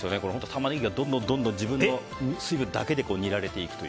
タマネギがどんどん自分の水分だけで煮られていくという。